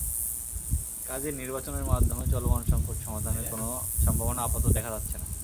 কাজেই নির্বাচনের মাধ্যমে চলমান সংকট সমাধানের কোনো সম্ভাবনা আপাতত দেখা যাচ্ছে না।